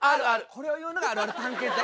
これを言うのがあるある探検隊。